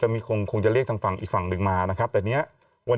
มีคงคงจะเรียกทางฝั่งอีกฝั่งหนึ่งมานะครับแต่เนี้ยวัน